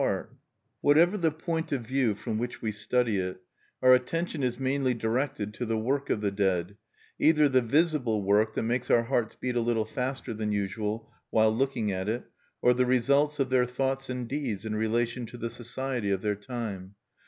Whatever the point of view from which we study it, our attention is mainly directed to the work of the dead, either the visible work that makes our hearts beat a little faster than usual while looking at it, or the results of their thoughts and deeds in relation to the society of their time.